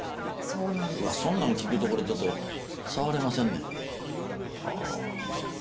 うわっそんなん聞くとこれちょっと触れませんね。